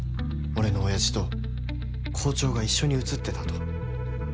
俺の親父と校長が一緒に写ってたと。